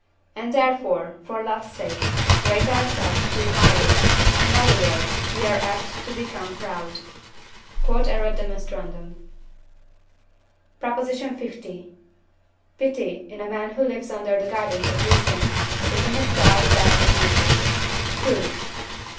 and therefore, for love's sake, rate ourselves too highly; in other words, we are apt to become proud. Q.E.D. PROP. L. Pity, in a man who lives under the guidance of reason, is in itself bad and useless. Proof.